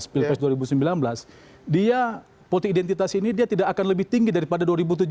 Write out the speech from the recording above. pilpres dua ribu sembilan belas dia politik identitas ini dia tidak akan lebih tinggi daripada dua ribu tujuh belas